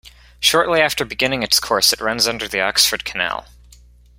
Shortly after beginning its course it runs under the Oxford Canal.